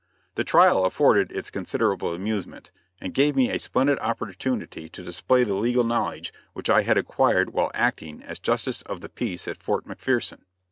The trial afforded its considerable amusement, and gave me a splendid opportunity to display the legal knowledge which I had acquired while acting as justice of the peace at Fort McPherson.